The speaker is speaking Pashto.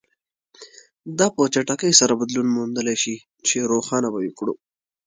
دا په چټکۍ سره بدلون موندلای شي چې روښانه به یې کړو.